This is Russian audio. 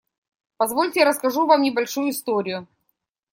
Позвольте, я расскажу вам небольшую историю.